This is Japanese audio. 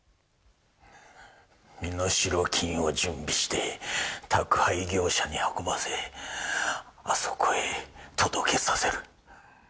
身代金を準備して宅配業者に運ばせあそこへ届けさせる。